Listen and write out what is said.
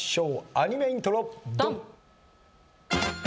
アニメイントロドン！